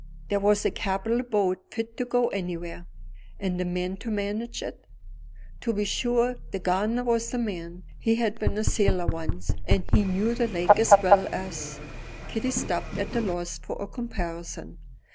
"There was a capital boat, fit to go anywhere." "And a man to manage it?" "To be sure! the gardener was the man; he had been a sailor once; and he knew the lake as well as " Kitty stopped, at a loss for a comparison.